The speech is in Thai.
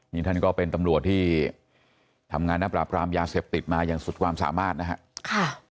นี่ท่านก็เป็นตำรวจที่ทำงานและปราบรามยาเสพติดมาอย่างสุดความสามารถนะฮะ